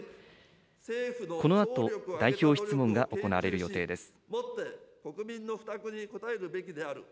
このあと、代表質問が行われる予定です。